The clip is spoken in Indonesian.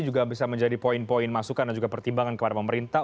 juga bisa menjadi poin poin masukan dan juga pertimbangan kepada pemerintah